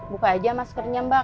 buka aja maskernya mbak